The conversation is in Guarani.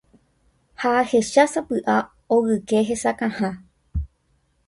Ha ahechásapy'a ogyke hesakãha.